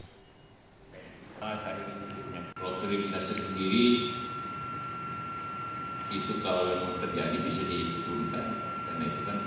itu kalau yang terjadi bisa dihitungkan